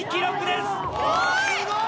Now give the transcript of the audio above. すごい！